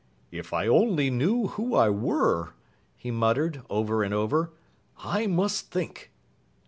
"If I only knew who I were!" he muttered over and over. "I must think!"